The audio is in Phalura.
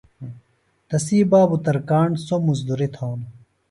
تسی بابو ترکاݨ ۔ سوۡ مزدوری تھانو۔